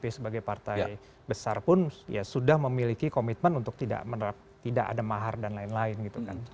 sebagai partai besar pun ya sudah memiliki komitmen untuk menerapkan tidak ada mahar dan lain lain gitu kan